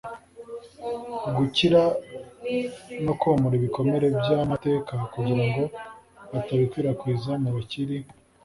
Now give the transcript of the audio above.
Gukira no komora ibikomere by amateka kugira ngo batabikwirakwiza mu bakiri